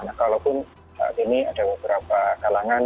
nah kalaupun saat ini ada beberapa kalangan